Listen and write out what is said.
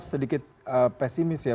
sedikit pesimis ya